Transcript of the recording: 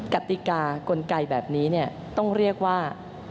กติกากลไกแบบนี้ต้องเรียกว่า